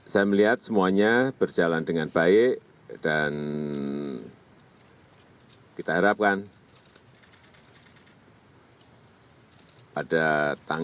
saya melihat semuanya berjalan dengan baik dan kita harapkan pada tanggal delapan belas agustus yang akan datang